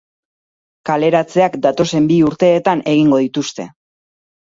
Kaleratzeak datozen bi urteetan egingo dituzte.